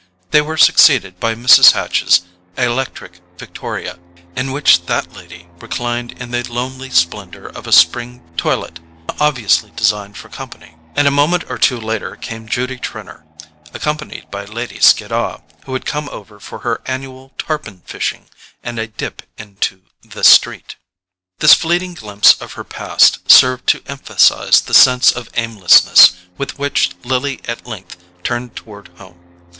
They were succeeded by Mrs. Hatch's electric victoria, in which that lady reclined in the lonely splendour of a spring toilet obviously designed for company; and a moment or two later came Judy Trenor, accompanied by Lady Skiddaw, who had come over for her annual tarpon fishing and a dip into "the street." This fleeting glimpse of her past served to emphasize the sense of aimlessness with which Lily at length turned toward home.